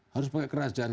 harus pakai kerajaan